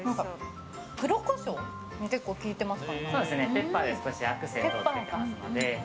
ペッパーで少しアクセントをつけてますので。